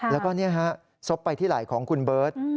แล้วก็ซบไปที่ไหล่ของคุณเบิร์ต